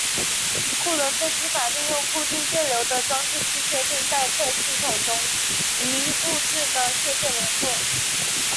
库伦分析法利用固定电流的装置去确定待测系统中一物质的确切浓度。